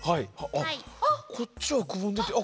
あこっちはくぼんでてあ